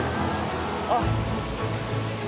あっ！